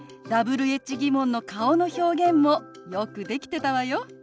Ｗｈ−疑問の顔の表現もよくできてたわよ。